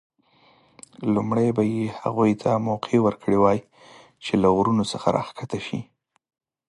لومړی به یې هغوی ته موقع ورکړې وای چې له غرونو څخه راښکته شي.